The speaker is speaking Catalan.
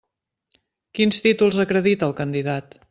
Quins títols acredita el candidat?